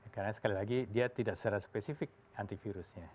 karena sekali lagi dia tidak secara spesifik antivirusnya